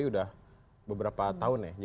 saya udah beberapa tahun ya